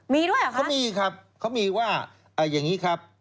มีด้วยเหรอคะเขามีครับเขามีว่าอย่างนี้ครับ